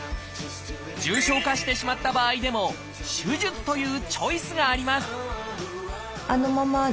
重症化してしまった場合でも「手術」というチョイスがあります